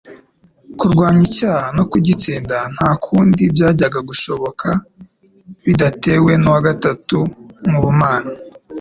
Kurwanya icyaha no kugitsinda nta kundi byajyaga gushoboka bidatewe n'uwa gatatu mu bumana;